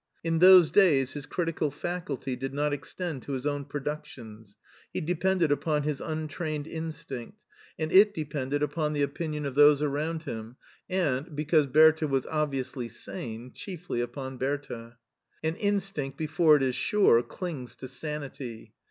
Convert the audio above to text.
In those days his critical faculty did not ex tend to his own productions; he depended upon his untrained instinct, and it depended upon the opinion HEIDELBERG 9 of those around him, and, because Bertha was ob viously sane, chiefly upon Bertha. An instinct before it is sure clings to sanity.